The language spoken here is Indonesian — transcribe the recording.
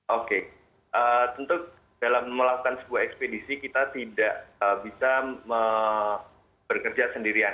oke tentu dalam melakukan sebuah ekspedisi kita tidak bisa bekerja sendirian